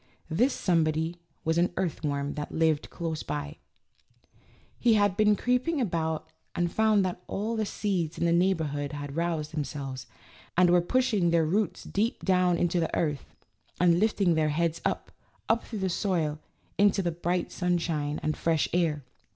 This somebody was an earthworm that lived close by. He had been creeping about and found that all the seeds in the neighborhood had roused themselves, and were pushing their roots deep down into the earth, and lift ing their heads up, up through the soil into the bright sunshine and fresh air.